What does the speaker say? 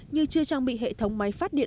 như chưa trang bị hệ thống máy phát triển